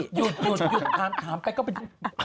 หยุดหยุดอาจจะพูดก็เป็น